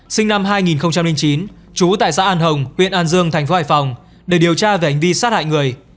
sinh năm hai nghìn chín trú tại xã an hồng huyện an dương tp hải phòng để điều tra về hành vi sát hại người